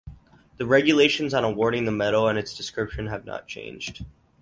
The regulations on awarding the medal and its description have not changed.